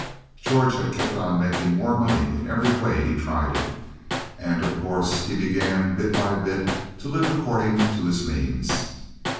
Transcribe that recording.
George had kept on making more money in every way he tried it, and of course he began, bit by bit, to live according to his means.